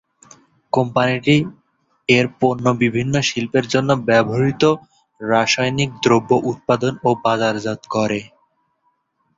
কোম্পানিটি এর পণ্য বিভিন্ন শিল্পের জন্য ব্যবহৃত রাসায়নিক দ্রব্য উৎপাদন ও বাজারজাত করে।